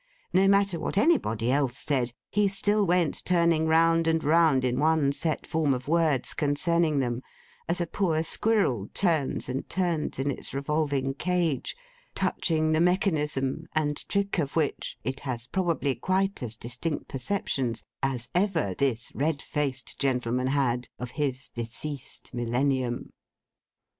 No matter what anybody else said, he still went turning round and round in one set form of words concerning them; as a poor squirrel turns and turns in its revolving cage; touching the mechanism, and trick of which, it has probably quite as distinct perceptions, as ever this red faced gentleman had of his deceased Millennium.